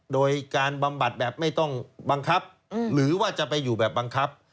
โดยการบำบัดแบบไม่ต้องบังคับหรือว่าจะไปอยู่แบบบังคับ